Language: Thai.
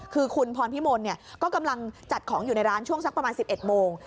คือคุณพรพิมลก็กำลังจัดของอยู่ในร้านช่วงสักประมาณ๑๑โมง